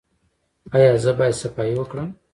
ایا زه باید صفايي وکړم؟